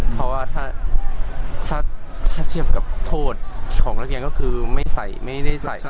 เพราะว่าถ้าเทียบกับโทษของนักเรียนก็คือไม่ได้ใส่